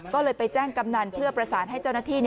ก็เลยไปแจ้งกำนันเพื่อประสานให้เจ้าหน้าที่